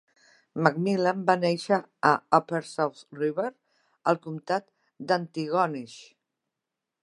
MacMillan va néixer a Upper South River al Comtat d'Antigonish.